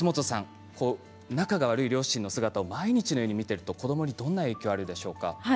仲が悪い両親の姿を毎日のように見ていると子どもにどんな影響があるんでしょうか。